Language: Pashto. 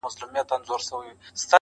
د دښمن کره ورځم، دوست مي گرو دئ.